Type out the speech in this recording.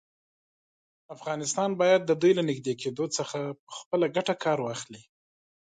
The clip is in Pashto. افغانستان باید د دوی له نږدې کېدو څخه په خپله ګټه کار واخلي.